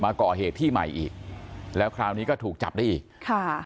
มาก่อเหตุที่ใหม่อีกแล้วคราวนี้ก็ถูกจับได้อีกค่ะ